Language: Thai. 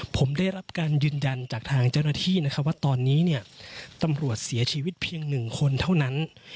ผมได้รับการยืนยันจากทางเจ้าหน้าที่นะครับว่าตอนนี้เนี่ยตำรวจเสียชีวิตเพียงหนึ่งคนเท่านั้น